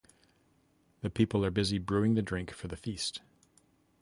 The people are busy brewing the drink for the feast.